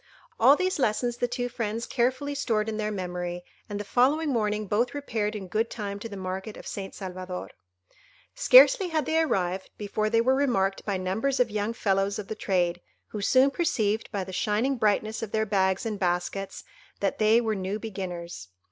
All these lessons the two friends carefully stored in their memory, and the following morning both repaired in good time to the market of St. Salvador. Scarcely had they arrived before they were remarked by numbers of young fellows of the trade, who soon perceived, by the shining brightness of their bags and baskets, that they were new beginners.